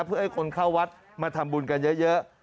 เพื่อให้คนเข้าวัดมาทำบุญกันเยอะ